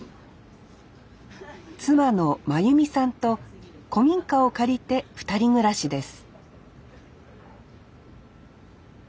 妻の真由美さんと古民家を借りて２人暮らしです